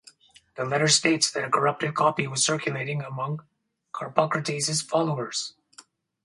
The letter states that a corrupted copy was circulating among Carpocrates' followers.